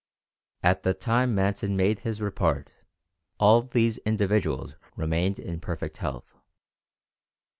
At the time Manson made his report all these individuals remained in perfect health.